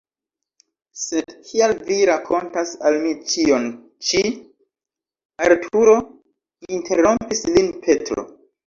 "Sed kial Vi rakontas al mi ĉion ĉi? Arturo?" interrompis lin Petro.